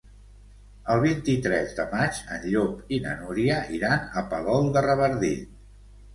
El vint-i-tres de maig en Llop i na Núria iran a Palol de Revardit.